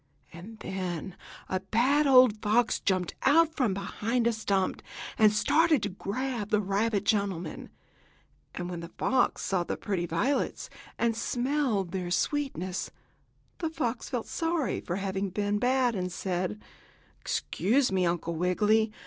And then a bad old fox jumped out from behind a stump, and started to grab the rabbit gentleman. But when the fox saw the pretty violets and smelled their sweetness, the fox felt sorry at having been bad and said: "Excuse me, Uncle Wiggily.